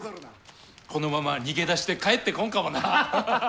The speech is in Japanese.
このまま逃げ出して帰ってこんかもな。